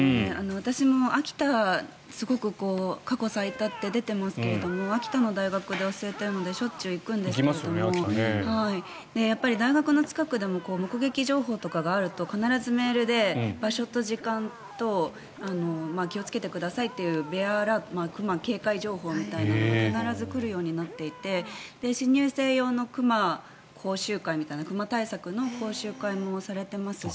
私も、秋田過去最多って出てますけど秋田の大学で教えているのでしょっちゅう行くんですがやっぱり大学の近くでも目撃情報とかがあると必ずメールで場所と時間と気をつけてくださいという熊警戒情報みたいなのが必ず来るようになっていて新入生用の講習会熊対策の講習会もされていますし。